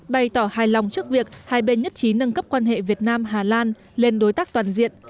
bày tỏ hài lòng trước việc hai bên nhất trí nâng cấp quan hệ việt nam hà lan lên đối tác toàn diện